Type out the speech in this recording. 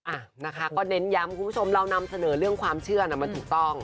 อ่ะนะคะก็เน้นย้ำคุณผู้ชมเรานำเสนอเรื่องความเชื่อน่ะมันถูกต้อง